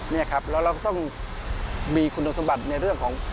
นี่ครับแล้วเราก็ต้องมีคุณสมบัติในเรื่องของ